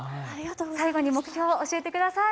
最後に目標を教えてください。